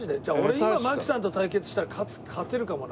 今槙さんと対決したら勝てるかもな。